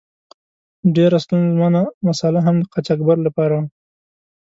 ډیره ستونزمنه مساله هم د قاچاقبر له پاره وه.